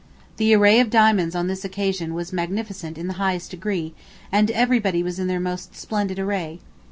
The array of diamonds on this occasion was magnificent in the highest degree, and everybody was in their most splendid array.